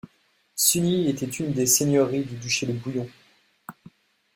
Sugny était une des seigneuries du duché de Bouillon.